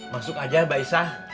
masuk aja mbak isah